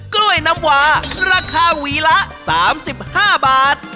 กล้วยน้ำวาราคาหวีละ๓๕บาท